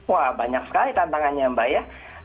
wah banyak sekali tantangannya mbak ya